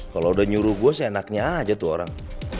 kalau udah nyuruh gue sih enaknya aja tuh orang